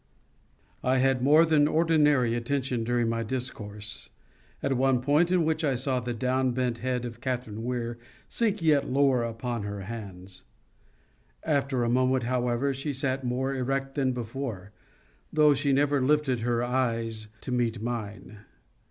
I had more than ordinary attention during my discourse, at one point in which I saw the down bent head of Catherine Weir sink yet lower upon her hands. After a moment, however, she sat more erect than before, though she never lifted her eyes to meet mine.